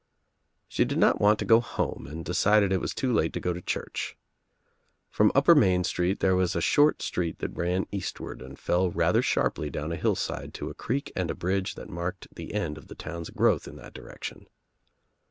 She did not want to go home and decided it was too late to go to church. From Upper Main Street there was a short street that ran eastward and fell rather sharply down a hillside to a creek and a bridge that marked the end of the town's growth in that direction.